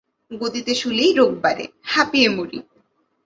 গদিতে শুলেই রোগ বাড়ে, হাঁপিয়ে মরি।